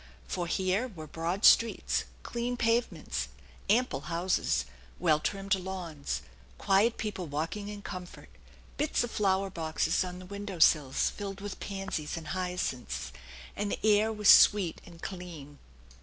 For here were broad streets, clean pavements, ample houses, well trimmed lawns, quiet people walking in comfort, bits of flower boxes on the window sills filled with pansies and hyacinths ; and the air was sweet and clean.